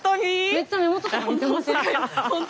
めっちゃ目元とか似てません？